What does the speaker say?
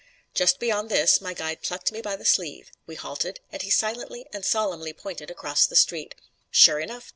Just beyond this my guide plucked me by the sleeve; we halted, and he silently and solemnly pointed across the street. Sure enough!